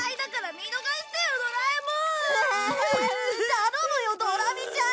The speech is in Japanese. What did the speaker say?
頼むよドラミちゃーん！